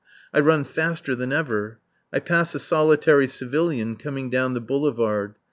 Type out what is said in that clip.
I run faster than ever. I pass a solitary civilian coming down the boulevard.